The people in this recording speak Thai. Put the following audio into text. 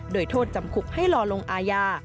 โดยโทษจำคุกให้รอลงอาญา